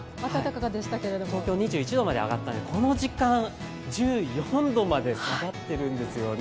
東京、２１度まで上がったんですがこの時間１４度まで下がったんです。